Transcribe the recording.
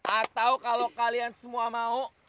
atau kalau kalian semua mau